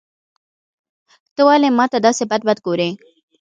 ته ولي ماته داسي بد بد ګورې.